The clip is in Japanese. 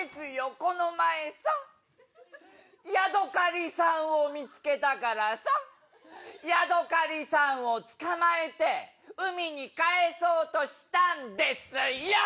この前さ、ヤドカリさんを見つけたからさ、ヤドカリさんをつかまえて、海に帰そうとしたんですよ。